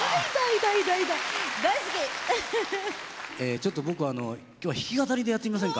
ちょっと僕はあの今日は弾き語りでやってみませんか。